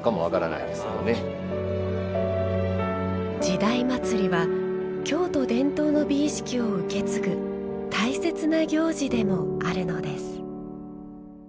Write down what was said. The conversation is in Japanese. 「時代祭」は都伝統の美意識を受け継ぐ大切な行事でもあるのです。